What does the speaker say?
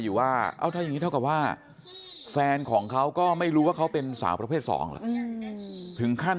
อยู่ว่าแฟนของเขาก็ไม่รู้ว่าเขาเป็นสาวประเภท๒ถึงขั้น